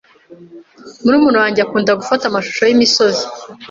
Murumuna wanjye akunda gufata amashusho yimisozi.